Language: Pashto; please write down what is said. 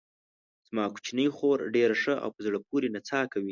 زما کوچنۍ خور ډېره ښه او په زړه پورې نڅا کوي.